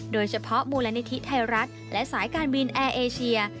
โดยเฉพาะมูลนิธิไทยรัฐและสายการบินแอร์เอเชีย